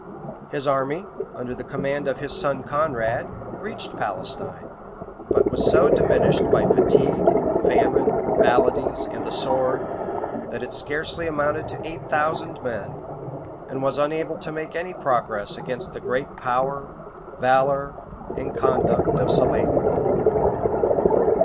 ] His army, under the command of his son Conrade, reached Palestine; but was so diminished by fatigue famine, maladies, and the sword, that it scarcely amounted to eight thousand men, and was unable to make any progress against the great power, valor, and conduct of Saladin.